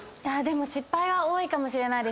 失敗は多いかもしれない。